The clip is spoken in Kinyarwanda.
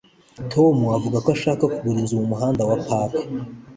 Tom avuga ko ashaka kugura inzu ku Muhanda wa Park.